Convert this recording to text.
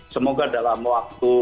semoga dalam waktu